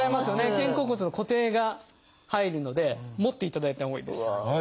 肩甲骨の固定が入るので持っていただいたほうがいいです。